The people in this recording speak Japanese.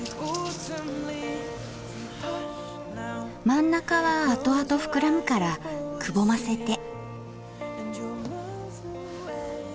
真ん中はあとあと膨らむからくぼませて。